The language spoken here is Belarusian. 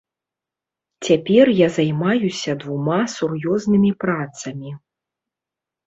Цяпер я займаюся двума сур'ёзнымі працамі.